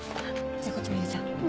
じゃあこっちも入れちゃおう。